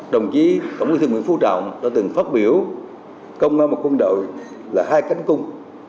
đồng chí tổng bí thư nguyễn phú trọng đã từng phát biểu công an một quân đội là hai cánh cung